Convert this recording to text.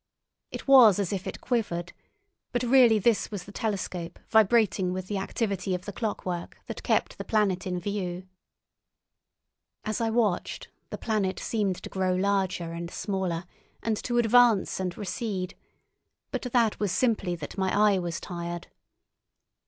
It was as if it quivered, but really this was the telescope vibrating with the activity of the clockwork that kept the planet in view. As I watched, the planet seemed to grow larger and smaller and to advance and recede, but that was simply that my eye was tired.